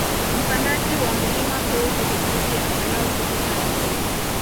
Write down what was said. Mpandaji wa mlima huu huhitaji angalau siku tano